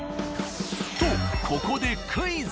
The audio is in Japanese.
とここでクイズ。